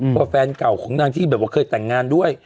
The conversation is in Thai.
เพราะแฟนเก่าของนางที่เคยแต่งงานด้วย